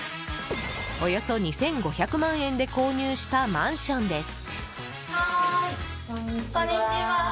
およそ２５００万円で購入したマンションです。